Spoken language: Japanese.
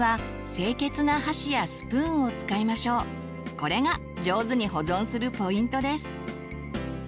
これが上手に保存するポイントです。